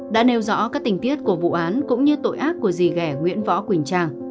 đã nêu rõ các tình tiết của vụ án cũng như tội ác của di gẻ nguyễn võ quỳnh trang